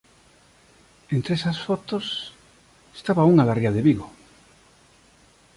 Entre esas fotos estaba unha da ría de Vigo.